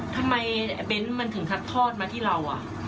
ทำไมเบ้นมันถึงสักทอดมาที่เราอ่ะ